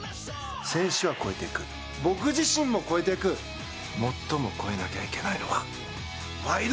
選手は超えていく僕自身も超えていく最も超えなきゃいけないのは「ワイド！